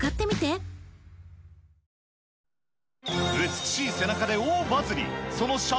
美しい背中で大バズり。